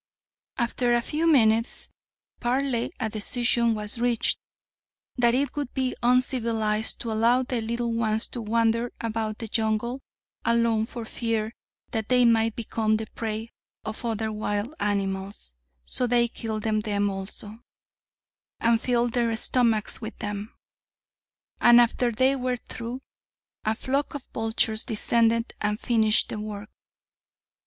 After a few minutes' parley a decision was reached that it would be uncivilized to allow the little ones to wander about the jungle alone for fear that they might become the prey for other wild animals, so they killed them also; and filled their stomachs with them. And after they were through, a flock of vultures descended and finished the work.